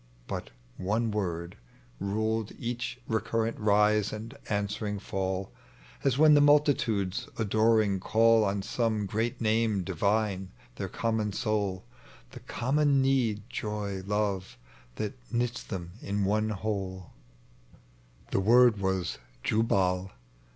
But one word Ruled each recurrent rise and answering fall. As when the multitudes adoring call On some great name divine, their common soul, The common need, love, joy, that knits them in one whole. 3 .tec bv Google 34 THE LBGEND OF JUBAL. The word was "Juball"